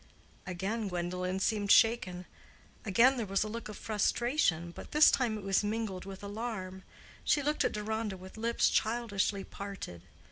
Again Gwendolen seemed shaken—again there was a look of frustration, but this time it was mingled with alarm. She looked at Deronda with lips childishly parted.